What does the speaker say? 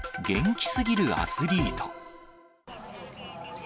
元気すぎるアスリート。